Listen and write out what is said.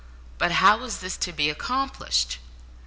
But how was this to be accomplished?